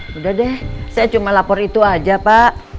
sudah deh saya cuma lapor itu aja pak